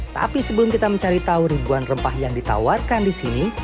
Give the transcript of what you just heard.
tapi sebelum kita mencari tahu ribuan rempah yang ditawarkan di sini